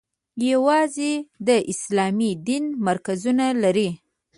یوازې د اسلامي دین مرکزونه لري.